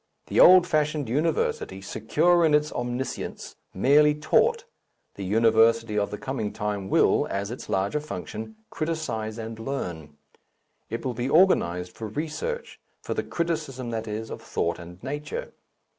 The old fashioned university, secure in its omniscience, merely taught; the university of the coming time will, as its larger function, criticize and learn. It will be organized for research for the criticism, that is, of thought and nature.